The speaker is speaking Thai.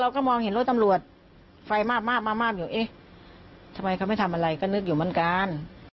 ก็มองเห็นรถตำรวจไฟมาบมาบอยู่เอ๊ะทำไมเขาไม่ทำอะไรก็นึกอยู่เหมือนกัน